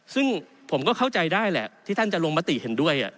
ซึ่งผมก็เข้าใจได้แหละที่ท่านจะลงมติเห็นด้วย